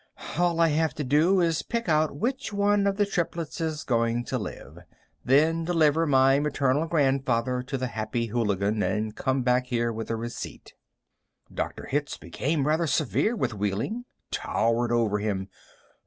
"All I have to do is pick out which one of the triplets is going to live, then deliver my maternal grandfather to the Happy Hooligan, and come back here with a receipt." Dr. Hitz became rather severe with Wehling, towered over him.